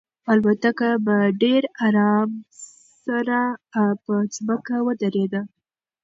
الوتکه په ډېر ارام سره په ځمکه ودرېده.